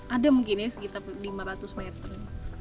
ada mungkin ya sekitar lima ratus meter